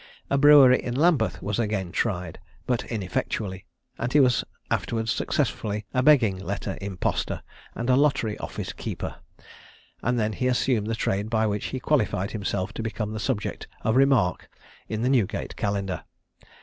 A brewery in Lambeth was then again tried, but ineffectually; and he was afterwards successively a begging letter impostor and a lottery office keeper; and then he assumed the trade by which he qualified himself to become the subject of remark in the Newgate Calendar.